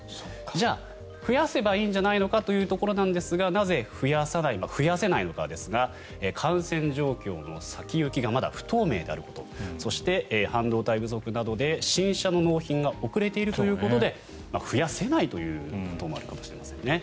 じゃあ増やせばいいんじゃないかというところですがなぜ、増やせないのかですが感染状況の先行きがまだ不透明であることそして、半導体不足などで新車の納品が遅れているということで増やせないということもあるかもしれませんね。